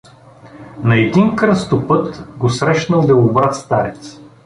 На един кръстопът го срещнал белобрад старец.